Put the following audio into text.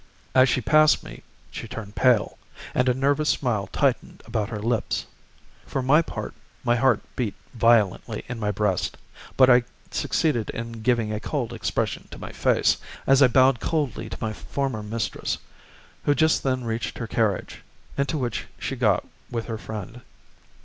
As she passed me she turned pale, and a nervous smile tightened about her lips. For my part, my heart beat violently in my breast; but I succeeded in giving a cold expression to my face, as I bowed coldly to my former mistress, who just then reached her carriage, into which she got with her friend.